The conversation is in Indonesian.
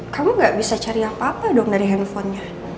kamu gak bisa cari apa apa dong dari handphonenya